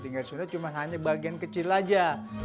tinggal sudah cuma hanya bagian kecil aja